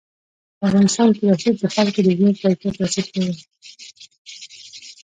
په افغانستان کې رسوب د خلکو د ژوند کیفیت تاثیر کوي.